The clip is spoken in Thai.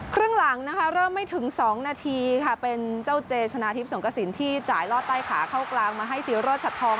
ครึ่งหลังนะคะเริ่มไม่ถึง๒นาทีค่ะเป็นเจ้าเจชนะทิพย์สงกระสินที่จ่ายลอดใต้ขาเข้ากลางมาให้ศรีโรชัดทอง